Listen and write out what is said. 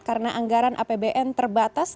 karena anggaran apbn terbatas